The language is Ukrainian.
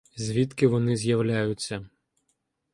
Звідки вони з'являються?